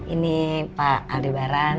ini pak aldebaran